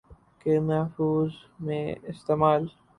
کے مفہوم میں استعمال